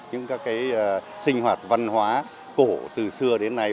những các sinh hoạt văn hóa cổ từ xưa đến nay